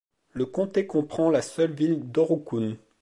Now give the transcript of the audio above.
Le comté comprend la seule ville d'Aurukun.